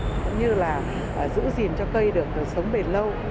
cũng như là giữ gìn cho cây được sống bền lâu